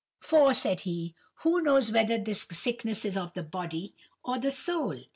"'For,' said he, 'who knows whether this sickness is of the body or the soul?